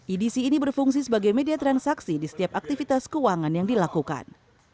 edc ini berfungsi sebagai media transaksi di setiap aktivitas keuangan yang dilakukan